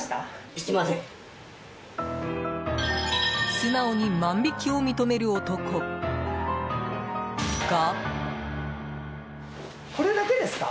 素直に万引きを認める男。が。